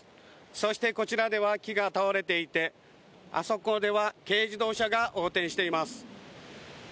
そして、こちらでは木が倒れていてあそこでは軽自動車が横転しています。